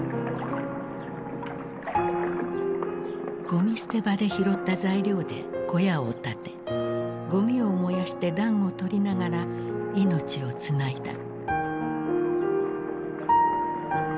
ごみ捨て場で拾った材料で小屋を建てごみを燃やして暖を取りながら命をつないだ。